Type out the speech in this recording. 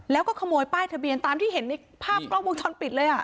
แล้วก็ขโมยป้ายทะเบียนตามที่เห็นในภาพกล้องวงจรปิดเลย